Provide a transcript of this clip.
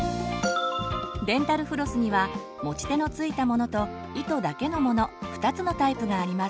デンタルフロスには持ち手の付いたものと糸だけのもの２つのタイプがあります。